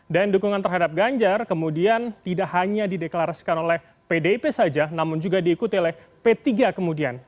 dukungan terhadap ganjar kemudian tidak hanya dideklarasikan oleh pdip saja namun juga diikuti oleh p tiga kemudian